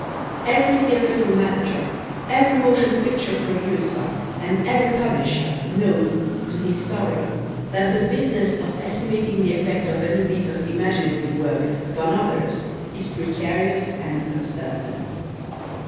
Every theatrical manager, every motion picture producer, and every publisher knows, to his sorrow, that the business of estimating the effect of any piece of imaginative work upon others is precarious and uncertain.